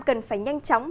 cần phải nhanh chóng